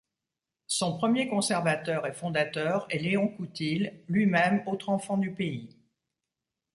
Son premier conservateur et fondateur est Léon Coutil lui-même, autre enfant du pays.